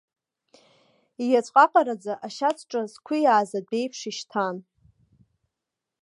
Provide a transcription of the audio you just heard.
Ииаҵәҟаҟараӡа, ашьац ҿа зқәиааз адәеиԥш ишьҭан.